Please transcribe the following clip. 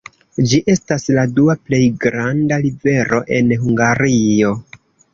Ĝi estas la dua plej granda rivero en Hungario.